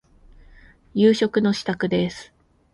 夕食の支度です。